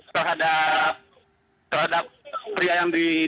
terhadap pria yang di